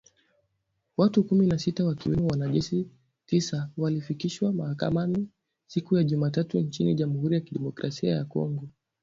Watu kumi na sita ,wakiwemo wanajeshi tisa ,walifikishwa mahakamani siku ya Jumatatu nchini Jamhuri ya Kidemokrasia ya Kongo